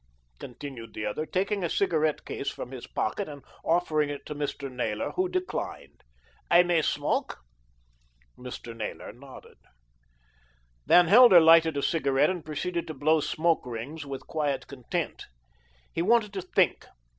continued the other; taking a cigarette case from his pocket and offering it to Mr. Naylor who declined. "I may smoke?" Mr. Naylor nodded. Van Helder lighted a cigarette and proceeded to blow smoke rings with quiet content. He wanted to think.